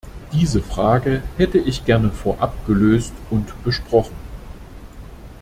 Diese Frage hätte ich gerne vorab gelöst und besprochen.